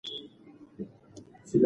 که ته زما پر ځای وای نو څه به دې کړي وای؟